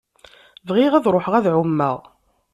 Bɣiɣ ad ṛuḥeɣ ad ɛummeɣ.